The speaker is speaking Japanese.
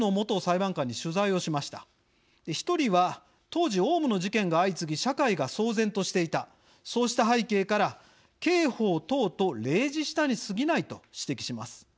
一人は当時オウムの事件が相次ぎ社会が騒然としていたそうした背景から「刑法等」と例示したにすぎないと指摘します。